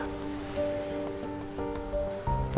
tapi waktu dulu dia udah sayang sama rena